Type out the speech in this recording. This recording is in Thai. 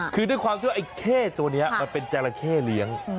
คือด้วยความที่ว่าไอ้เข้ตัวนี้มันเป็นจราเข้เลี้ยง